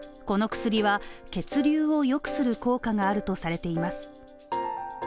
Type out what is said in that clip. この薬は、血流を良くする効果があるとされています。